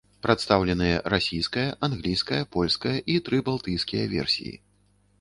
Прадстаўленыя расійская, англійская, польская і тры балтыйскія версіі.